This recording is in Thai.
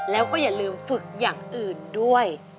แล้วก็อย่าลืมฝึกอย่างอื่นด้วย